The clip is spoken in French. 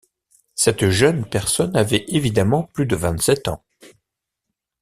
Cette jeune personne avait évidemment plus de vingt-sept ans.